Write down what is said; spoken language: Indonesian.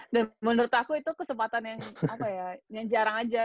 dan menurut aku itu kesempatan yang apa ya yang jarang aja